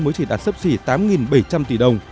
mới chỉ đạt sấp xỉ tám bảy trăm linh tỷ đồng